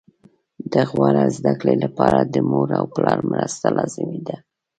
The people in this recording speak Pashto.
د غوره زده کړې لپاره د مور او پلار مرسته لازمي ده